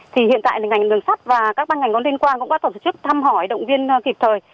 thì hiện tại ngành đường sắt và các ban ngành có liên quan cũng đã tổ chức thăm hỏi động viên kịp thời